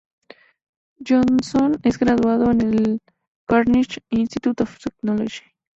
Johnson es graduado en el Carnegie Institute of Technology.